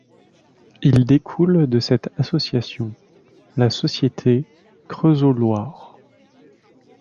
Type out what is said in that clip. Il découle de cette association, la société Creusot-Loire.